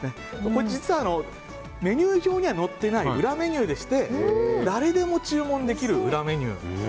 これ実はメニュー上には載っていない裏メニューでして誰でも注文できる